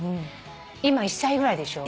今１歳ぐらいでしょ？